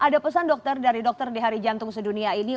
kenapa dokter dari dokter di hari jantung sedunia ini